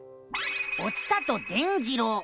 「お伝と伝じろう」。